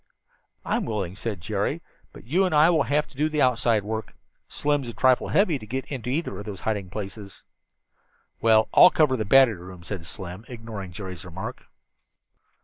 "I'm willing," said Jerry, "but you and I will have to do the outside work. Slim's a trifle heavy to get into either one of those hiding places." "Well, I'll cover the battery room," said Slim, ignoring Jerry's remark.